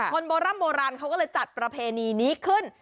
โบร่ำโบราณเขาก็เลยจัดประเพณีนี้ขึ้น